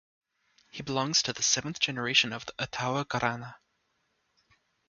He belongs to the seventh generation of the Etawah Gharana.